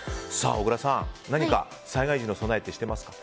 小倉さん、何か災害時の備えってしていますか？